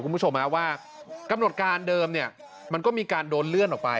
คุณผู้ชมว่ากำหนดการเดิมเนี่ยมันก็มีการโดนเลื่อนออกไป